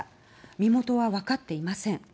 身元は分かっていません。